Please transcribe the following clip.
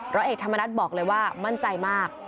ร้อยเอกธรรมนัฐบอกเลยว่ามั่นใจมาก